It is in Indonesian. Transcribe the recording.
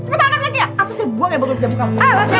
atau saya buang ya bagul pijamu kamu